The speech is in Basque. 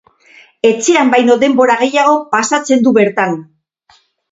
Etxean baino denbora gehiago pasatzen du bertan.